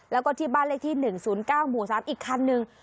แล้วก็ที่บ้านเลขที่๑๐๙หมู่๓อีกคันหนึ่ง